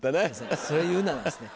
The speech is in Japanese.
それ言うならですね